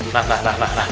nah nah nah